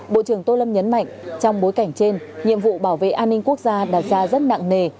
bộ trưởng tô lâm nhấn mạnh trong bối cảnh trên nhiệm vụ bảo vệ an ninh quốc gia đạt ra rất nặng nề